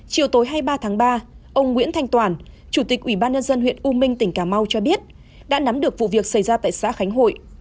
chiều tối hai mươi ba tháng ba ông nguyễn thanh toàn chủ tịch ủy ban nhân dân huyện u minh tỉnh cà mau cho biết đã nắm được vụ việc xảy ra tại xã khánh hội